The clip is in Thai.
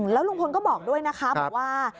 แล้วลุงพลก็บอกด้วยนะคะบอกว่า